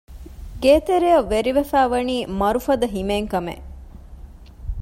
ގޭތެރެއަށް ވެރިވެފައިވަނީ މަރުފަދަ ހިމޭން ކަމެއް